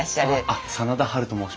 あっ真田ハルと申します。